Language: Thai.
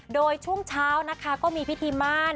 โดยช่วงเช้านะคะก็มีพิธีม่าน